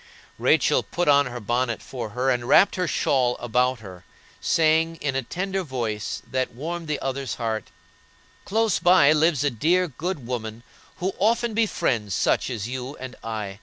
Rachel put on her bonnet for her and wrapped her shawl about her, saying, in a tender voice, that warmed the other's heart: "Close by lives a dear, good woman who often befriends such as you and I.